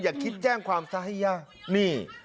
อย่าคิดแจ้งความซะให้ยากนี่